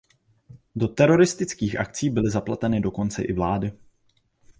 Do teroristických akcí byly zapleteny dokonce i vlády.